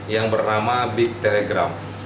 yang bernama big telegram